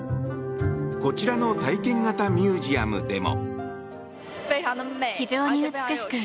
こちらの体験型ミュージアムでも。